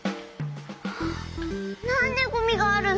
なんでゴミがあるの？